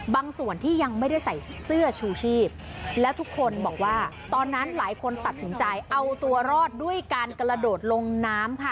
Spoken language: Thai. บางส่วนที่ยังไม่ได้ใส่เสื้อชูชีพแล้วทุกคนบอกว่าตอนนั้นหลายคนตัดสินใจเอาตัวรอดด้วยการกระโดดลงน้ำค่ะ